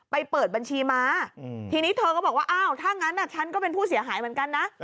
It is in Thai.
เปิดบัญชีม้าทีนี้เธอก็บอกว่าอ้าวถ้างั้นฉันก็เป็นผู้เสียหายเหมือนกันนะ